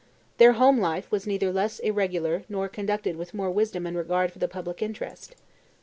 Their home life was neither less irregular nor conducted with more wisdom and regard for the public interest.